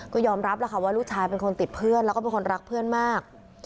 ก็ยอมรับแล้วค่ะว่าลูกชายเป็นคนติดเพื่อนแล้วก็เป็นคนรักเพื่อนมาก